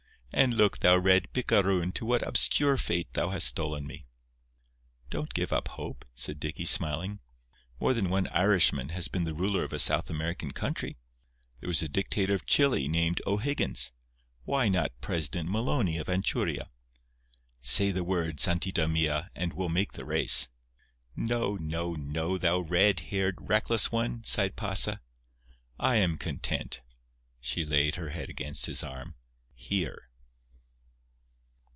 And, look, thou red picaroon, to what obscure fate thou hast stolen me!" "Don't give up hope," said Dicky, smiling. "More than one Irishman has been the ruler of a South American country. There was a dictator of Chili named O'Higgins. Why not a President Maloney, of Anchuria? Say the word, santita mia, and we'll make the race." "No, no, no, thou red haired, reckless one!" sighed Pasa; "I am content"—she laid her head against his arm—"here."